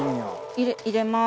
入れます。